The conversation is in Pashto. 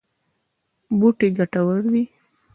بوټي ګټور دي.